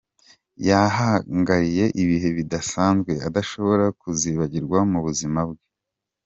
Yahagiriye ibihe bidasanzwe adashobora kuzibagirwa mu buzima bwe.